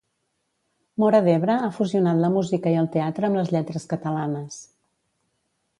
Móra d'Ebre ha fusionat la música i el teatre amb les lletres catalanes.